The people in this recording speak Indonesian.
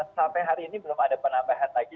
sampai hari ini belum ada penambahan lagi